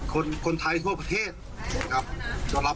คนไทยทั่วประเทศครับก็รับเป็นผมครับ